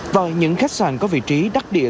và những khách sạn có vị trí đắc địa